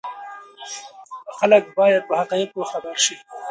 خلک باید په حقایقو خبر شي.